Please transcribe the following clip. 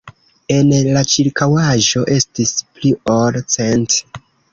En la ĉirkaŭaĵo estis pli ol cent.